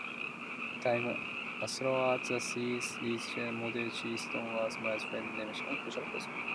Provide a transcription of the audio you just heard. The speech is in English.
Throughout the series, redheaded model Chili Storm was Millie's friendly nemesis.